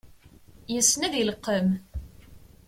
Yessen ad ileqqem.